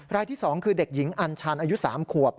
รายที่๒คือเด็กหญิงอัญชันอายุ๓ขวบ